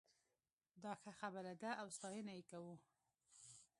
دا ښه خبره ده او ستاينه یې کوو